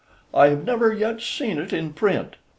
I have never yet seen it in print.